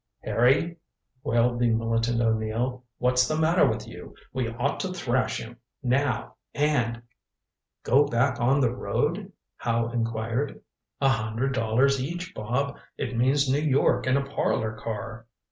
"Harry," wailed the militant O'Neill. "What's the matter with you? We ought to thrash him now and " "Go back on the road?" Howe inquired. "A hundred dollars each, Bob. It means New York in a parlor car."